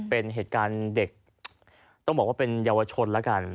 เป็นเหตุการณ์เด็กต้องบอกว่าเป็นเยาวชนแล้วกัน